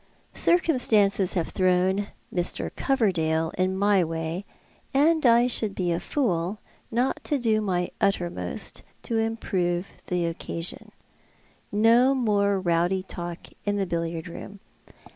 Circumstances have thrown Mr. Coverdale in my way, and I should be a fool not to do my uttermost to improve the occasion. No more rowdy talk in the billiard room.